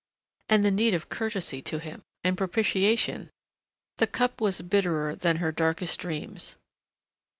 And the need of courtesy to him, of propititation ! The cup was bitterer than her darkest dreams....